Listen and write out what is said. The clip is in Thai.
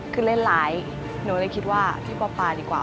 คือเล่นร้ายหนูเลยคิดว่าพี่ป๊อปปาดีกว่า